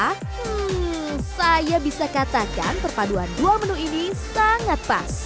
hmm saya bisa katakan perpaduan dua menu ini sangat pas